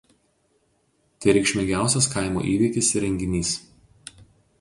Tai reikšmingiausias kaimo įvykis ir renginys.